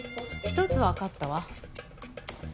１つわかったわ。